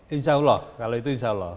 insya allah kalau itu insya allah